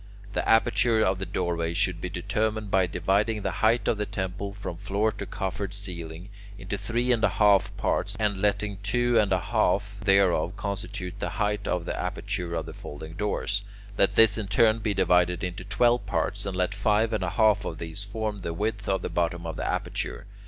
The aperture of the doorway should be determined by dividing the height of the temple, from floor to coffered ceiling, into three and one half parts and letting two and one half thereof constitute the height of the aperture of the folding doors. Let this in turn be divided into twelve parts, and let five and a half of these form the width of the bottom of the aperture.